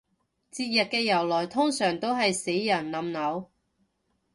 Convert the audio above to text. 節日嘅由來通常都係死人冧樓